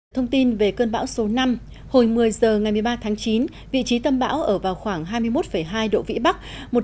thông tin về cơn bão số năm hồi một mươi h ngày một mươi ba tháng chín vị trí tâm bão ở vào khoảng hai mươi một hai độ vĩ bắc